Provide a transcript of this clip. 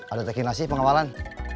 ada teh kinasi pengawalan